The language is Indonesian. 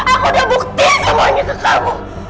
aku udah bukti semuanya ke kamu